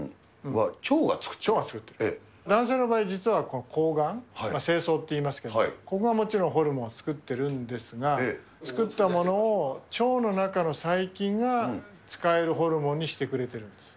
男性の場合、実は睾丸、精巣っていいますけど、ここがもちろんホルモンを作ってるんですが、作ったものを腸の中の細菌が使えるホルモンにしてくれてるんです。